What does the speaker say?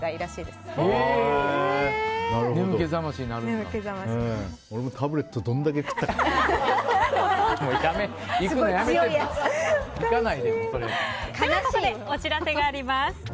ではここでお知らせがあります。